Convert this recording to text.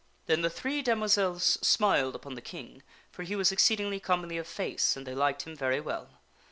" Then the three damoiselles smiled upon the King, for he was exceed ingly comely of face and they liked him very well.